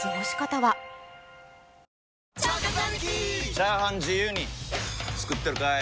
チャーハン自由に作ってるかい！？